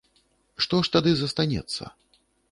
Што ж тады застанецца?